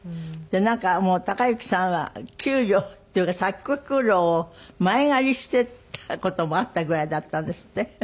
なんかもう之さんは給料っていうか作曲料を前借りしてた事もあったぐらいだったんですって？